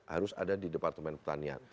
harus ada di departemen pertanian